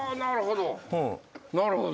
なるほど。